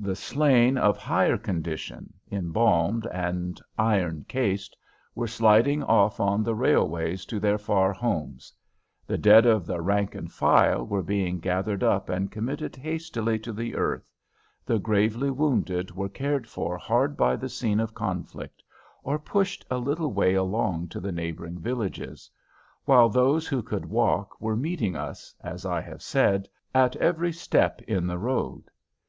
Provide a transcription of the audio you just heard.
The slain of higher condition, "embalmed" and iron cased, were sliding off on the railways to their far homes; the dead of the rank and file were being gathered up and committed hastily to the earth; the gravely wounded were cared for hard by the scene of conflict, or pushed a little way along to the neighboring villages; while those who could walk were meeting us, as I have said, at every step in the road.